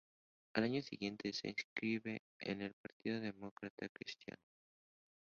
Al año siguiente, se inscribe en el Partido Demócrata Cristiano.